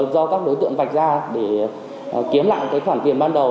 do các đối tượng vạch ra để kiếm lại khoản tiền ban đầu